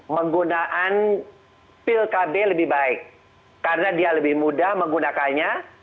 menggunakan pil kb lebih baik karena dia lebih mudah menggunakannya